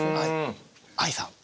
ＡＩさん。